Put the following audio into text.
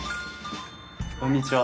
こんにちは。